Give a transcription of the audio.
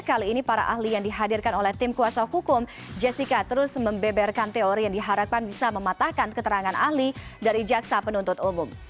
kali ini para ahli yang dihadirkan oleh tim kuasa hukum jessica terus membeberkan teori yang diharapkan bisa mematahkan keterangan ahli dari jaksa penuntut umum